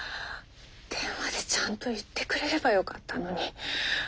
電話でちゃんと言ってくれればよかったのに。